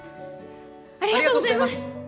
ありがとうございます！